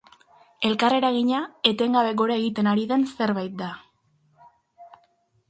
Elkarreragina etengabe gora egiten ari den zerbait da.